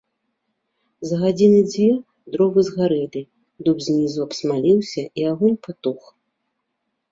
За гадзіны дзве дровы згарэлі, дуб знізу абсмаліўся, і агонь патух.